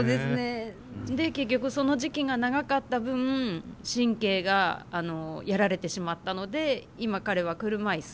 結局その時期が長かった分神経がやられてしまったので今彼は車椅子。